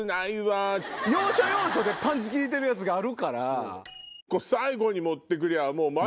要所要所でパンチ利いてるやつがあるから。